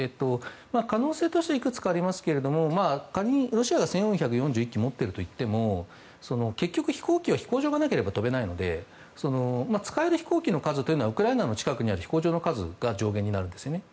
可能性としてはいくつかありますが仮にロシアが１４４１機持っているといっても結局、飛行機は飛行場がなければ飛べないので使える飛行機の数はウクライナの近くにある飛行場の数が上限になるんですね。